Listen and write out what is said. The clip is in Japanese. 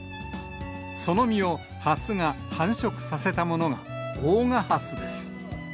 その実を発芽、繁殖させたものが、大賀ハスです。